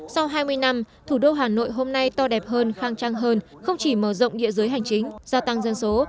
sau hai mươi năm thủ đô hà nội hôm nay to đẹp hơn khang trang hơn không chỉ mở rộng địa giới hành chính gia tăng dân số